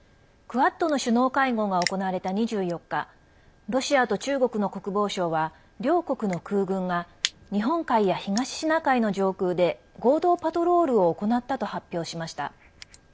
クアッドの首脳会合が行われた２４日ロシアと中国の国防省は両国の空軍が日本海や東シナ海の上空で合同パトロールを行ったと発表しました。